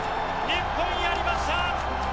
日本、やりました。